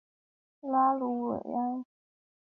拉卢维埃洛拉盖人口变化图示